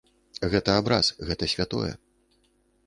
Гэта абраз, гэта святое.